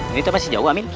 ini tuh masih jauh amin